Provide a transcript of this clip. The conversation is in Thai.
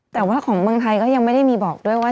แต่ว่าของเมืองไทยก็ยังไม่ได้มีบอกด้วยว่า